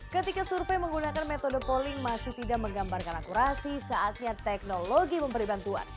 ketika survei menggunakan metode polling masih tidak menggambarkan akurasi saatnya teknologi memberi bantuan